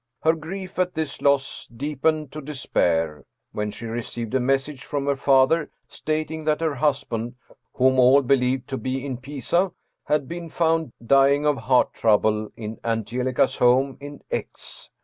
Her grief at this loss deepened to despair, when she received a message from her father stating that her husband, whom all believed to be in Pisa, had been found dying of heart trouble in Angelica's home in X.